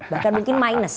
bahkan mungkin minus